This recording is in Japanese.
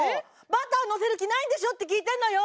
バター載せる気ないんでしょって聞いてんのよ！